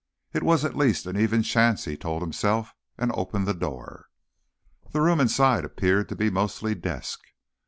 It was at least an even chance, he told himself, and opened the door. The room inside appeared to be mostly desk.